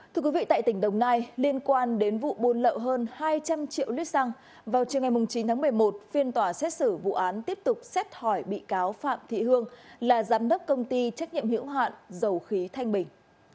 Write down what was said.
thưa quý vị tại tỉnh đồng nai liên quan đến vụ buôn lậu hơn hai trăm linh triệu lít xăng vào chiều ngày chín tháng một mươi một phiên tòa xét xử vụ án tiếp tục xét hỏi bị cáo phạm thị hương là giám đốc công ty trách nhiệm hữu hạn dầu khí thanh bình